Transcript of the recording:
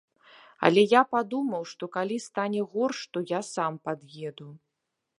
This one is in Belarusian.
Але я падумаў, што калі стане горш, то я сам пад'еду.